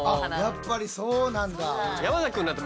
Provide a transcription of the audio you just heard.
やっぱりそうなんだ。